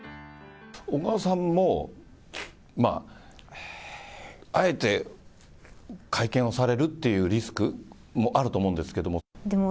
小川さんも、あえて会見をされるっていうリスクもあると思うんですけども。